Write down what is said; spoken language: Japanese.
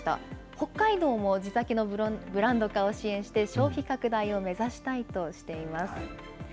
北海道も地酒のブランド化を支援して消費拡大を目指したいとしています。